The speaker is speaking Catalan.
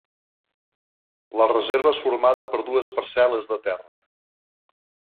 La reserva és formada per dues parcel·les de terra.